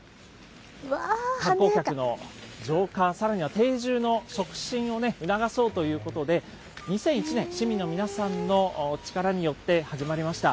観光客の増加、そして定住の促進を促そうということで、２００１年、市民の皆さんの力によって始まりました。